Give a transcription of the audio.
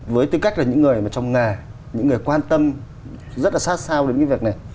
với tư cách là những người trong nghề những người quan tâm rất là sát sao đến việc này